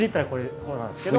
こうなんですけど。